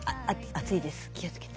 熱いです気をつけて。